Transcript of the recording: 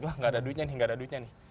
wah nggak ada duitnya nih gak ada duitnya nih